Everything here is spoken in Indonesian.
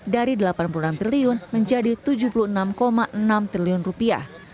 dari delapan puluh enam triliun menjadi tujuh puluh enam enam triliun rupiah